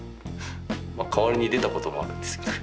代わりに出たこともあるんですよね。